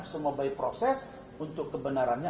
semua by process untuk kebenarannya